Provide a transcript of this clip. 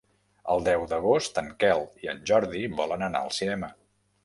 El deu d'agost en Quel i en Jordi volen anar al cinema.